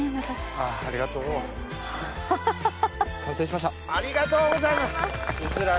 ありがとうございます！